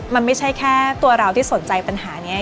มันไม่ใช่แค่ตัวเราที่สนใจปัญหานี้